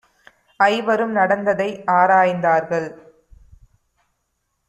ஐவரும் நடந்ததை ஆராய்ந் தார்கள்.